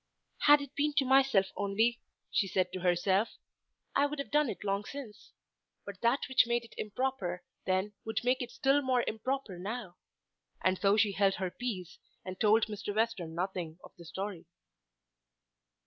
"Had it been for myself only," she said to herself, "I would have done it long since. But that which made it improper then would make it still more improper now." And so she held her peace and told Mr. Western nothing of the story.